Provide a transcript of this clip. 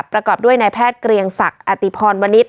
ประกอบด้วยนายแพทย์เกรียงศักดิ์อติพรวนิษฐ